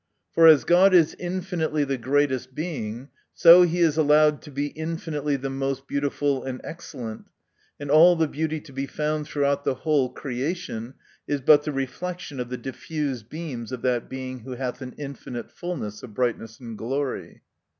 For as God is infinitely the greatest Being, so he is allowed to be infinitely the most beautiful and excellent : and all the beauty to be found diffused throughout the whole creation, is but the reflection of the diffused beams of that Being who hath an infinite fulness of brightness and glory.